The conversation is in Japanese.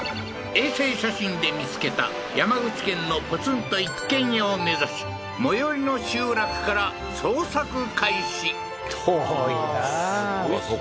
衛星写真で見つけた山口県のポツンと一軒家を目指し最寄りの集落から捜索開始遠いなーすごいですね